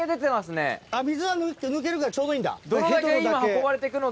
あっ水は抜けるからちょうどいいんだ。